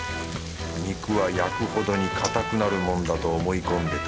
肉は焼くほどにかたくなるもんだと思い込んでた。